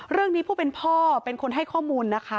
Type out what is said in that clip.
เรื่องนี้ผู้เป็นพ่อเป็นคนให้ข้อมูลนะคะ